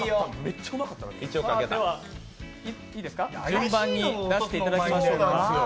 では順番に出していただきましょう。